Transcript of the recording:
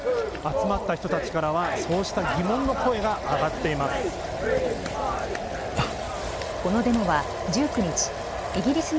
集まった人たちからは、そうした疑問の声が上がっています。